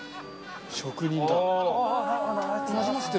職人だ。